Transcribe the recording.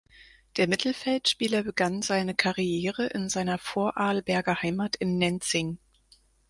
Der Mittelfeldspieler begann seine Karriere in seiner Vorarlberger Heimat in Nenzing.